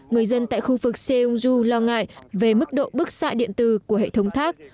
người dân tại khu vực seongju lo ngại về mức độ bức xạ điện tử của hệ thống thác